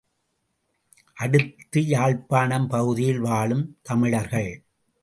அடுத்து யாழ்ப் பாணம் பகுதியில் வாழும் தமிழர்கள்.